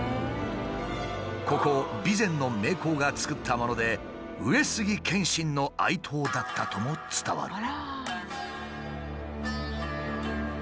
ここ備前の名工が作ったもので上杉謙信の愛刀だったとも伝わる。